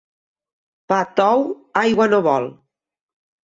Pa tou aigua no vol.